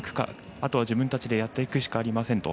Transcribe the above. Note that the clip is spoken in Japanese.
あとは自分たちでやっていくしかありませんと。